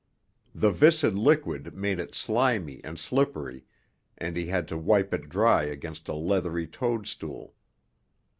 The viscid liquid made it slimy and slippery, and he had to wipe it dry against a leathery toadstool.